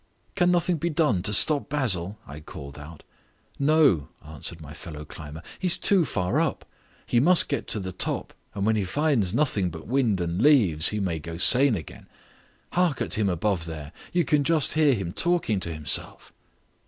"Can nothing be done to stop Basil?" I called out. "No," answered my fellow climber. "He's too far up. He must get to the top, and when he finds nothing but wind and leaves he may go sane again. Hark at him above there; you can just hear him talking to himself."